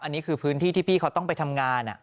อันนี้คือพื้นที่ที่พี่เขาต้องไปทำงาน